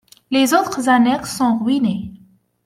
Les autres annexes sont ruinées.